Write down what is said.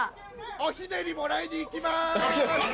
おひねりもらいに行きます！